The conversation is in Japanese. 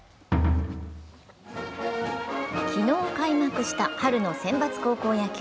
昨日開幕した春の選抜高校野球。